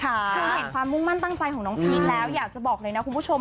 คือเห็นความมุ่งมั่นตั้งใจของน้องพีคแล้วอยากจะบอกเลยนะคุณผู้ชม